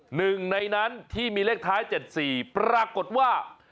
หนึ่งในนั้นที่มีเลขท้าย๗๔ปรากฏว่า